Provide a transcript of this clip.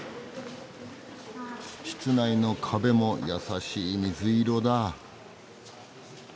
室内の壁も優しい水色だ。